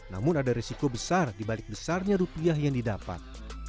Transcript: namun ada risiko besar dibalik besarnya rupiah yang didapat